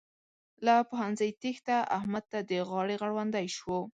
له پوهنځي تېښته؛ احمد ته د غاړې غړوندی شو.